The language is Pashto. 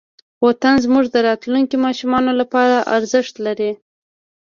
وطن زموږ د راتلونکې ماشومانو لپاره ارزښت لري.